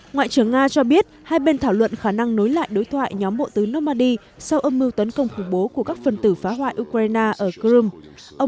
ngoại trưởng nga cho biết hai bên thảo luận khả năng nối lại đối thoại nhóm bộ tứ normandy sau âm mưu tấn công khủng bố của các phần tử phá hoại ukraine ở crimea